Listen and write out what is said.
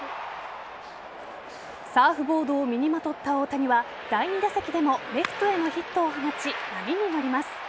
サーフボードを見にまとった大谷は第２打席でもレフトへのヒットを放ち波に乗ります。